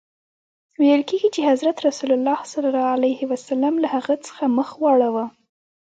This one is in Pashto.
ویل کیږي چي حضرت رسول ص له هغه څخه مخ واړاوه.